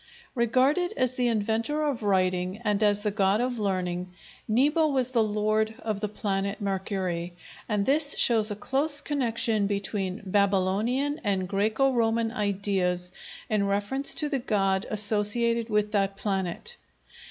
Regarded as the inventor of writing and as the god of learning, Nebo was the lord of the planet Mercury, and this shows a close connection between Babylonian and Græco Roman ideas in reference to the god associated with that planet.